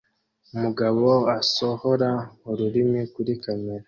Umugabo asohora ururimi kuri kamera